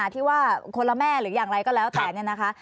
ที่ว่าคนละแม่หรืออย่างไรก็แล้วแต่เนี่ยนะคะ